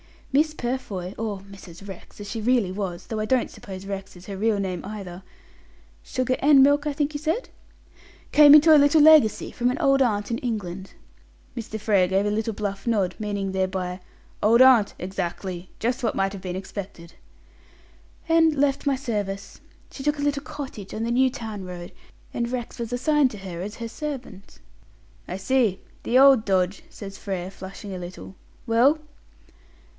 "Miss Purfoy, or Mrs. Rex, as she really was, though I don't suppose Rex is her real name either sugar and milk, I think you said came into a little legacy from an old aunt in England." Mr. Frere gave a little bluff nod, meaning thereby, Old aunt! Exactly. Just what might have been expected. "And left my service. She took a little cottage on the New Town road, and Rex was assigned to her as her servant." "I see. The old dodge!" says Frere, flushing a little. "Well?"